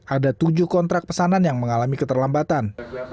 ada tujuh kontrak pesanan yang mengalami keterlambatan